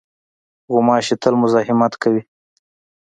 غوماشې تل مزاحمت کوي.